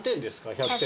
１００点。